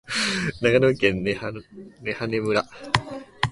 長野県根羽村